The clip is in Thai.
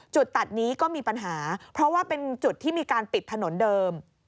จุดตัดนี้ก็มีปัญหาเพราะว่าเป็นจุดที่มีการปิดถนนเดิม